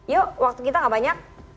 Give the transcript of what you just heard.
yuk waktu kita gak banyak